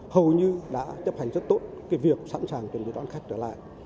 hầu như đã chấp hành rất tốt việc sẵn sàng chuẩn bị đón khách trở lại